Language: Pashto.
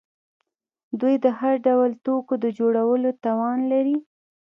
دوی د هر ډول توکو د جوړولو توان لري.